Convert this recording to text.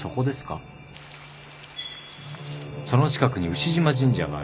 その近くに牛嶋神社がある。